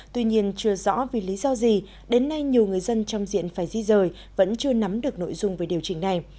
tuy nhiên chưa rõ vì lý do gì đến nay nhiều người dân trong diện phải di rời vẫn chưa nắm được nội dung về điều chỉnh này